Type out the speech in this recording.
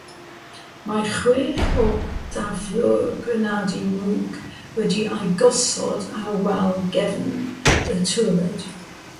Mae chwech o daflwyr grenadau mwg wedi eu gosod ar wal gefn y twred.